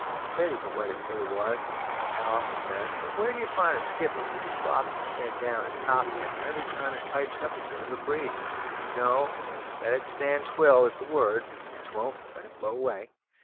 Pity but what they was, I often says; but where d'ye find a skipper who'll be bothered to send down his top hamper every time it pipes up a bit of a breeze? No; `Let it stand if 'twill,' is the word, `and if 'twon't, let it blow away.'